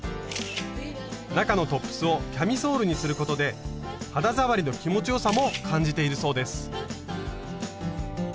中のトップスをキャミソールにすることで肌触りの気持ちよさも感じているそうです。